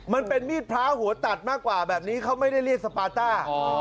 มันเป็นมีดพระหัวตัดมากกว่าแบบนี้เขาไม่ได้เรียกสปาต้า